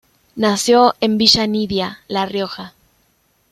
Nació en Villa Nidia, La Rioja.